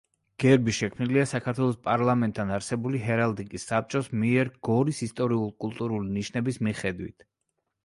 გერბი შექმნილია საქართველოს პარლამენტთან არსებული ჰერალდიკის საბჭოს მიერ გორის ისტორიულ-კულტურული ნიშნების მიხედვით.